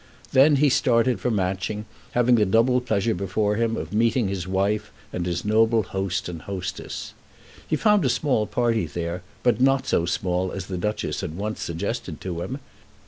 Then he started for Matching, having the double pleasure before him of meeting his wife and his noble host and hostess. He found a small party there, but not so small as the Duchess had once suggested to him.